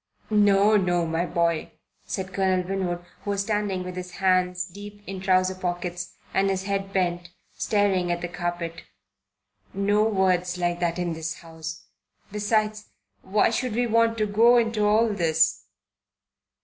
"No, no, my boy," said Colonel Winwood, who was standing with hands deep in trouser pockets and his head bent, staring at the carpet. "No words like that in this house. Besides, why should we want to go into all this?"